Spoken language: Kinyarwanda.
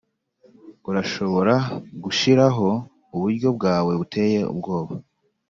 urashobora gushiraho uburyo bwawe buteye ubwoba?